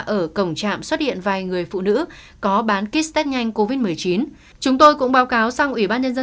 ở cổng trạm xuất hiện vài người phụ nữ có bán ký test nhanh covid một mươi chín